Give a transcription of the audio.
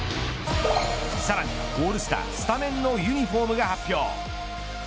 さらにオールスタースタメンのユニホームが発表。